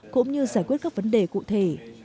cũng như giải quyết các vấn đề cụ thể